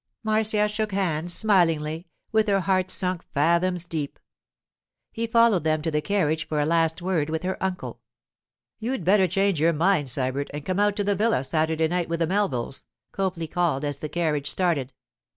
Marcia shook hands smilingly, with her heart sunk fathoms deep. He followed them to the carriage for a last word with her uncle. 'You'd better change your mind, Sybert, and come out to the villa Saturday night with the Melvilles,' Copley called as the carriage started.